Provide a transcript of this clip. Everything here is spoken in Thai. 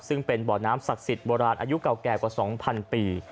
ซึ่งเป็นบ่อน้ำศักดิ์สิทธิ์โบราณอายุเก่าแก่กว่า๒๐๐ปี